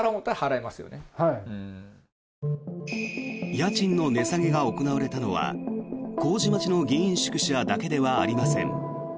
家賃の値下げが行われたのは麹町の議員宿舎だけではありません。